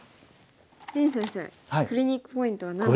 林先生クリニックポイントは何ですか？